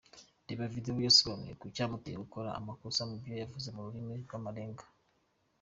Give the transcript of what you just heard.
Reba video yisobanura ku cyamuteye gukora amakosa mubyo yavuze mu rurirmi rw’amarenga.